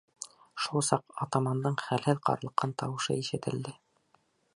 Шул саҡ атамандың хәлһеҙ ҡарлыҡҡан тауышы ишетелде: